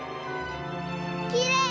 きれい！